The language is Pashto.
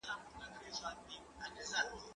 که وخت وي، مينه څرګندوم!.